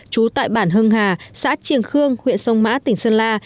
chú tại bản hưng hà xã triền khương huyện sông mã tỉnh sơn la